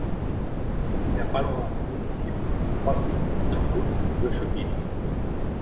Il n'y a pas loin, nous dit-il, trois pipes, cinq gouttes et deux chopines.